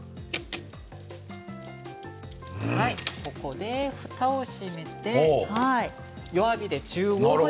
ここで、ふたを閉めて弱火で１５分。